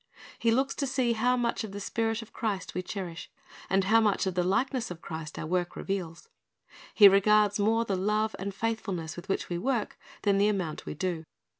He looks to see how much of the spirit of Christ we cherish, and how much of the likeness of Christ our work reveals. He regards more the love and faithfulness with which we work than the amount we do.